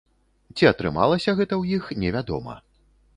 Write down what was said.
Ці атрымалася гэта ў іх, невядома.